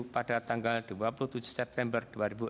pada tanggal dua puluh tujuh september dua ribu enam belas